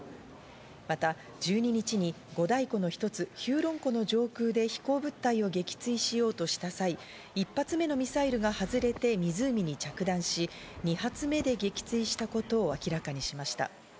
また１２日に五大湖の１つ、ヒューロン湖の上空で飛行物体を撃墜しようとした際、１発目のミサイルが外れて湖に着弾し、２発目で撃墜したことを明らかにしました。